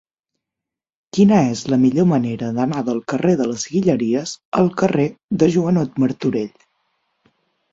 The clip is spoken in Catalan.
Quina és la millor manera d'anar del carrer de les Guilleries al carrer de Joanot Martorell?